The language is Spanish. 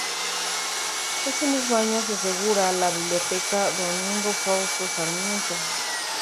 Ese mismo año se inaugura la biblioteca Domingo Faustino Sarmiento.